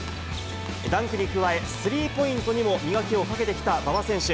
ダンクに加え、スリーポイントにも磨きをかけてきた馬場選手。